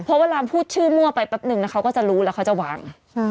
เพราะเวลาพูดชื่อมั่วไปแป๊บนึงเขาก็จะรู้แล้วเขาจะวาง